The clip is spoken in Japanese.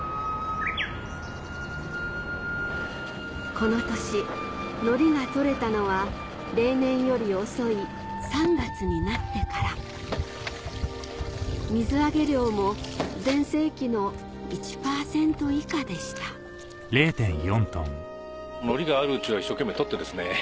この年ノリが採れたのは例年より遅い３月になってから水揚げ量も全盛期の１％以下でしたノリがあるうちは一生懸命採ってですね